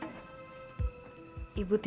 sekarang sudah sepatutnya